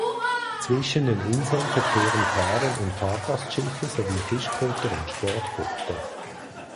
Zwischen den Inseln verkehren Fähren und Fahrgastschiffe sowie Fischkutter und Sportboote.